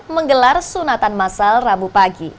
menggelar sunatan masal rabu pagi